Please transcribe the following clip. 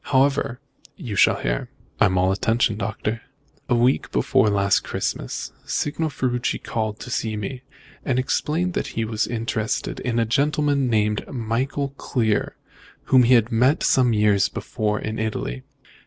However, you shall hear." "I'm all attention, Doctor." "A week before last Christmas, Signor Ferruci called to see me, and explained that he was interested in a gentleman called Michael Clear, whom he had met some years before in Italy.